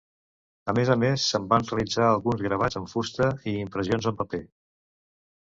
A més a més, se'n van realitzar alguns gravats en fusta i impressions en paper.